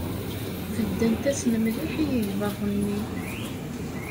Beddent-asen mliḥ i yegḍaḍ-nni.